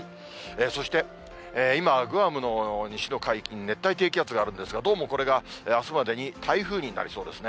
そして、今、グアムの西の海域に熱帯低気圧があるんですが、どうもこれが、あすまでに台風になりそうですね。